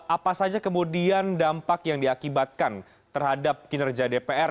apa saja kemudian dampak yang diakibatkan terhadap kinerja dpr